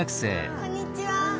こんにちは！